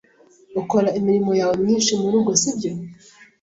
Ukora imirimo yawe myinshi murugo, sibyo?